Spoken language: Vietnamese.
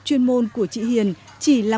chuyên môn của chị hiền chỉ là